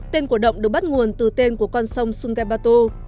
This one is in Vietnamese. tên của động được bắt nguồn từ tên của con sông sungai batu